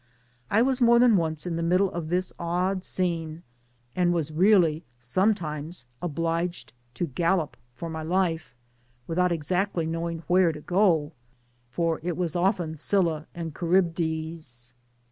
I was more than once in the middle ci this odd scene, and \^ad really sometimes obliged to gallop for my life, without exactly knowing where to go, for it was often Scylla and Charybdis.